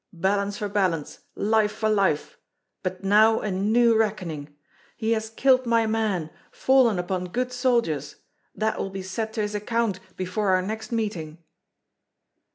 Balance for balance, life for life; but now a new reckoning! He has killed my men, fallen upon good soldiers; that will be set to his account before our next meeting."